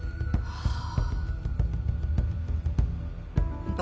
はあ？